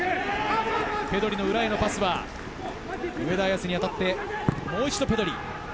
ペドリの裏へのパスは上田綺世に当たって、もう一度ペドリ。